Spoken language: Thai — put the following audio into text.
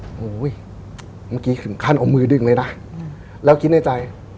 โอ้โหเมื่อกี้ถึงขั้นเอามือดึงเลยนะแล้วคิดในใจ